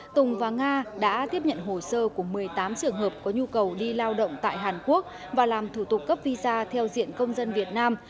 tùng và nga đã tiếp nhận hồ sơ của một mươi tám trường hợp có nhu cầu đi lao động tại hàn quốc và làm thủ tục cấp visa theo diện công dân việt nam